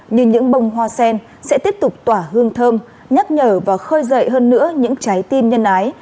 nhưng những bông hoa sen sẽ tiếp tục tỏa hương thơm nhắc nhở và khơi dậy hơn nữa những trái tim nhân ái